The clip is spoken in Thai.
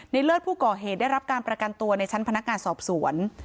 เลิศผู้ก่อเหตุได้รับการประกันตัวในชั้นพนักงานสอบสวน